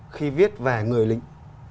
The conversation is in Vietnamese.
khi viết về người lính